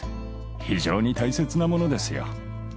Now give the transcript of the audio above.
非常に大切なものですよ。